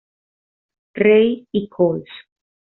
Ray y cols.